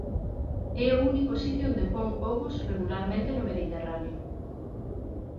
É o único sitio onde pon ovos regularmente no Mediterráneo.